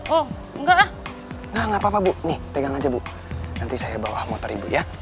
oh enggak enggak apa apa bu nih pegang aja bu nanti saya bawa motor ibu ya